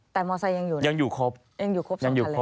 แต่มอเซยังอยู่เนี่ยยังอยู่ครบสำคัญเลย